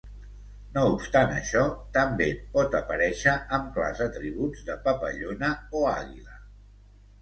No obstant això, també pot aparèixer amb clars atributs de papallona o àguila.